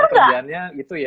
kerjaannya gitu ya